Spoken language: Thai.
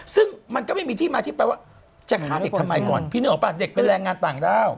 ซึ่งมันก็ไม่มีที่มาที่ไปว่าจะฆ่าเด็กทำไมก่อนพี่นึกออกป่ะเด็กเป็นแรงงานต่างด้าว